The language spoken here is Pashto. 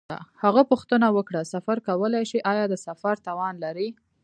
هغه پوښتنه وکړه: سفر کولای شې؟ آیا د سفر توان لرې؟